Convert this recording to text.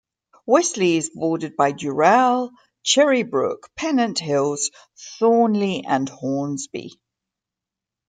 Westleigh is bordered by Dural, Cherrybrook, Pennant Hills, Thornleigh and Hornsby.